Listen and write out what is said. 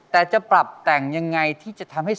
ทุกความเสียใจ